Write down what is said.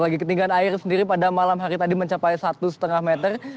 lagi ketinggian air sendiri pada malam hari tadi mencapai satu lima meter